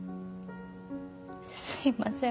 すいません。